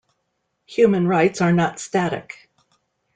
Human Rights are not static.